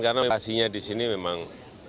karena evokasinya di sini memang